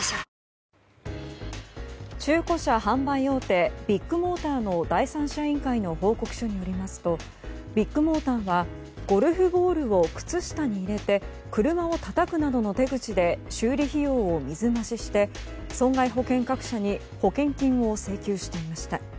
中古車販売大手ビッグモーターの第三者委員会の報告書によりますとビッグモーターはゴルフボールを靴下に入れて車をたたくなどの手口で修理費用を水増しして損害保険各社に保険金を請求していました。